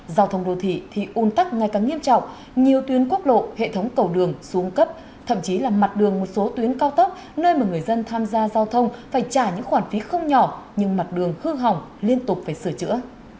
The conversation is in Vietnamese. giao thông đô thị thì un tắc ngày càng nghiêm trọng nhiều tuyến quốc lộ hệ thống cầu đường xuống cấp thậm chí là mặt đường một số tuyến cao tốc nơi mà người dân tham gia giao thông phải trả những khoản phí không nhỏ nhưng mặt đường hư hỏng liên tục phải sửa chữa